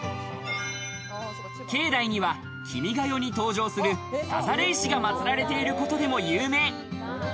境内には『君が代』に登場する、さざれ石がまつられていることでも有名。